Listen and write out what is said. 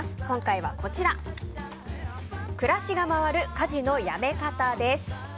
今回はこちら暮らしが回る、家事のやめ方です。